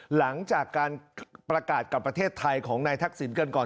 หลังจากการประกาศกับประเทศไทยของนายทักษิณกันก่อน